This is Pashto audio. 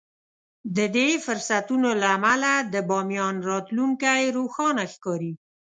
د دې فرصتونو له امله د باميان راتلونکی روښانه ښکاري.